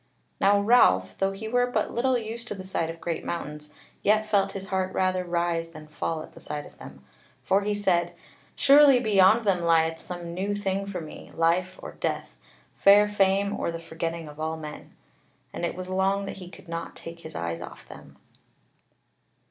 Now Ralph, though he were but little used to the sight of great mountains, yet felt his heart rather rise than fall at the sight of them; for he said: "Surely beyond them lieth some new thing for me, life or death: fair fame or the forgetting of all men." And it was long that he could not take his eyes off them.